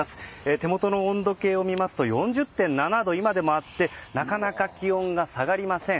手元の温度計を見ますと４０．７度今でもあってなかなか気温が下がりません。